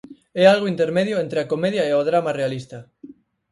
É algo intermedio entre a comedia e o drama realista.